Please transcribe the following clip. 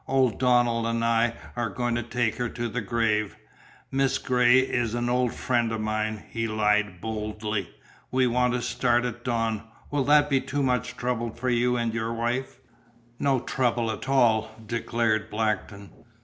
Old Donald and I are going to take her to the grave. Miss Gray is an old friend of mine," he lied boldly. "We want to start at dawn. Will that be too much trouble for you and your wife?" "No trouble at all," declared Blackton.